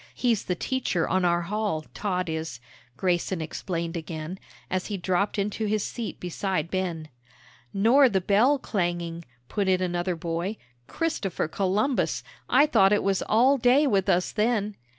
He's the teacher on our hall, Todd is," Grayson explained again, as he dropped into his seat beside Ben. "Nor the bell clanging," put in another boy; "Christopher Columbus, I thought it was all day with us then!"